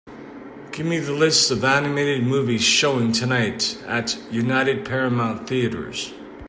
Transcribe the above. Give me the list of animated movies showing tonight at United Paramount Theatres